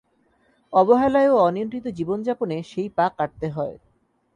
অবহেলায় ও অনিয়ন্ত্রিত জীবনযাপনে সেই পা কাটতে হয়।